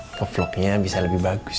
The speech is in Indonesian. ngevlognya bisa lebih bagus